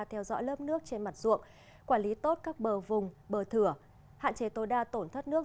theo dõi lớp nước trên mặt ruộng quản lý tốt các bờ vùng bờ thửa hạn chế tối đa tổn thất nước